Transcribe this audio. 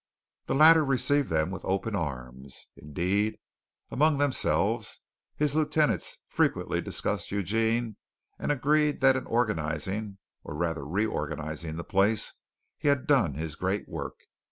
The latter received them with open arms. Indeed, among themselves, his lieutenants frequently discussed Eugene and agreed that in organizing, or rather reorganizing the place, he had done his great work.